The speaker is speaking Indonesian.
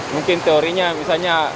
mungkin teorinya misalnya